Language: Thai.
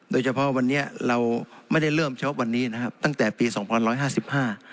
โดยเฉพาะวันนี้เราไม่ได้เริ่มเฉพาะวันนี้นะครับตั้งแต่ปีสองพันร้อยห้าสิบห้า